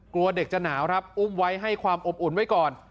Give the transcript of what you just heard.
กลัวเด็กจะหนาวครับอุ้มไว้ให้ความอบอุ่นไว้ก่อน